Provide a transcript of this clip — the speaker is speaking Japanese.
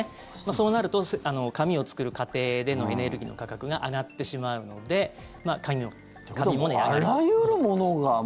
そうなると、紙を作る過程でのエネルギーの価格が上がってしまうので紙も値上がるということです。